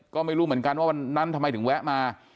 ก็ไม่รู้เหมือนกันว่าวันนั้นทำไมถึงแวะมา